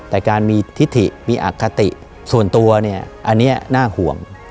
แต่การมีทิศถิมีอคติส่วนตัวเนี่ยอันนี้น่าห่วง